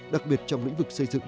đặc biệt trong lĩnh vực xây dựng